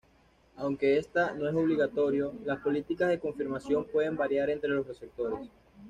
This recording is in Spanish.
Aunque esta no es obligatorio, las políticas de confirmación pueden variar entre los receptores.